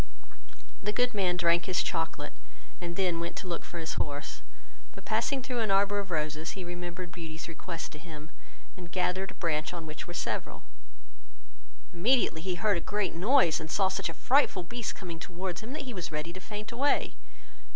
The good man drank his chocolate, and then went to look for his horse; but passing through an arbour of roses, he remembered Beauty's request to him, and gathered a branch on which were several; immediately he heard a great noise, and saw such a frightful beast coming towards him, that he was ready to faint away.